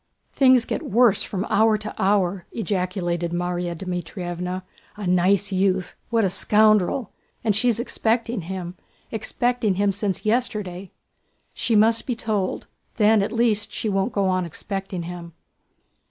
"Things get worse from hour to hour!" ejaculated Márya Dmítrievna. "A nice youth! What a scoundrel! And she's expecting him—expecting him since yesterday. She must be told! Then at least she won't go on expecting him."